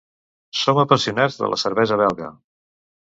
Som apassionats de la cervesa belga.